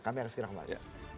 kami akan segera kembali